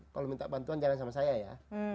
kalau minta bantuan jalan sama saya ya